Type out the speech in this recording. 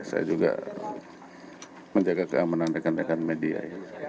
saya juga menjaga keamanan dekan dekan media